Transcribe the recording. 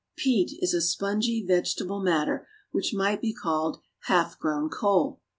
Peat is a spongy, vegetable matter which might be called half grown coal.